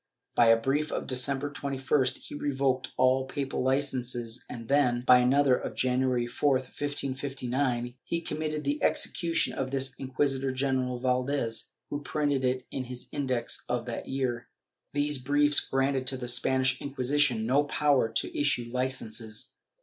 By a brief of December 21st, he revoked all papal licences and then, by another of January 4, 1559, he committed the execution of this to Inquisitor general Valdes, who printed it in his Index of that year/ These briefs granted to the Spanish Inquisition no power to ' Archive de Simancas, Inq.